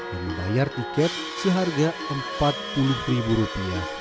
yang membayar tiket seharga rp empat puluh